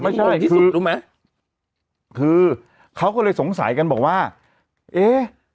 ที่สุดรู้ไหมคือเขาก็เลยสงสัยกันบอกว่าเอ๊ะ